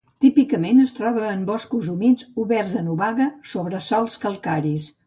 Típicament es troba en boscos humits oberts en obaga sobre sòls calcaris.